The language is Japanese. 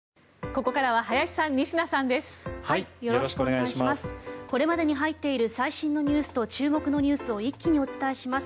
これまでに入っている最新のニュースと注目のニュースを一気にお伝えします。